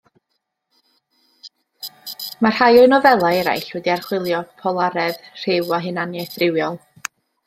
Mae rhai o'i nofelau eraill wedi archwilio polaredd rhyw a hunaniaeth rywiol.